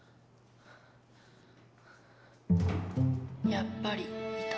やっぱりいた。